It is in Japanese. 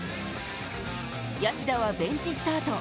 谷内田はベンチスタート。